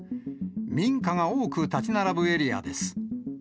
民家が多く建ち並ぶエリアです。